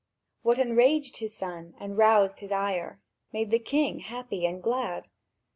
What enraged his son and roused his ire, made the king happy and glad.